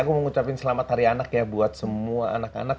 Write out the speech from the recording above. aku mengucapkan selamat hari anak ya buat semua anak anak